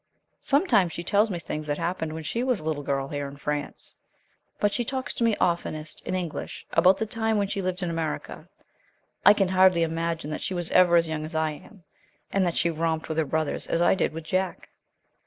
Sometimes she tells me things that happened when she was a little girl here in France, but she talks to me oftenest in English about the time when she lived in America. I can hardly imagine that she was ever as young as I am, and that she romped with her brothers as I did with Jack."